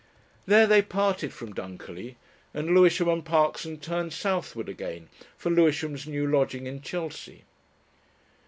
There they parted from Dunkerley, and Lewisham and Parkson turned southward again for Lewisham's new lodging in Chelsea.